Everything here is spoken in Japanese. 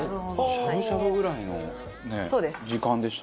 しゃぶしゃぶぐらいの時間でしたね。